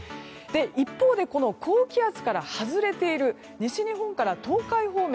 一方でこの高気圧から外れている西日本から東海方面